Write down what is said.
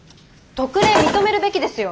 特例認めるべきですよ！